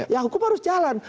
ya hukum harus jalan